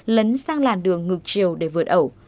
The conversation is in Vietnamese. lấn sang làn đường ngược chiều để vượt ẩu